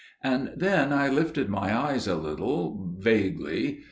"And then I lifted my eyes a little, vaguely.